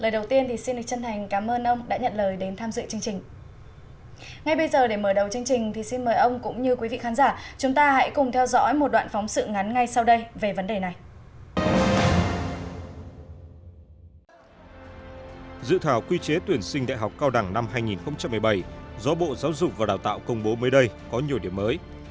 do bộ giáo dục và đào tạo công bố mới đây có nhiều điểm mới